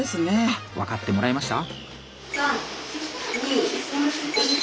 あ分かってもらえました？